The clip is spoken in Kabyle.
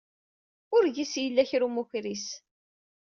Ur g-is yella kra n umukris.